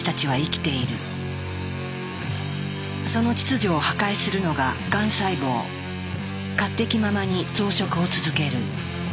その秩序を破壊するのが勝手気ままに増殖を続ける。